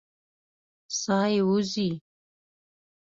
ساه یې وځي.